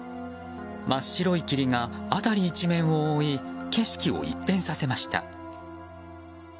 真っ白い霧が辺り一面を覆い景色を一変させました。